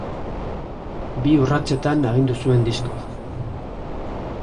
Bi urratsetan agindu zuen diskoa.